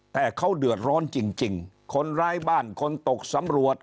แต่เขาเดือดร้อนจริงคนร้ายบ้านคนตกสำรวจ